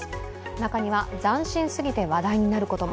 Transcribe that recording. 中には斬新すぎて話題になることも。